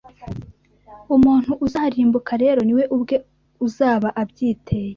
Umuntu uzarimbuka rero niwe ubwe uzaba abyiteye